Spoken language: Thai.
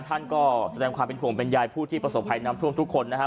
ท่านก็แสดงความเป็นห่วงเป็นยายผู้ที่ประสบภัยน้ำท่วมทุกคนนะครับ